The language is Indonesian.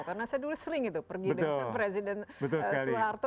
karena saya dulu sering itu pergi dengan presiden suharto